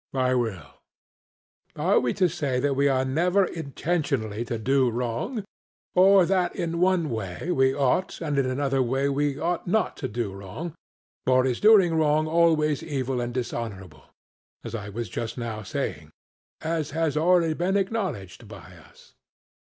CRITO: I will. SOCRATES: Are we to say that we are never intentionally to do wrong, or that in one way we ought and in another way we ought not to do wrong, or is doing wrong always evil and dishonorable, as I was just now saying, and as has been already acknowledged by us?